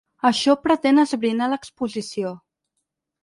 Això pretén esbrinar l’exposició.